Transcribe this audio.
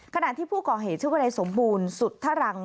ขณะที่ผู้ก่อเหตุชื่อวนายสมบูรณ์สุทธรัง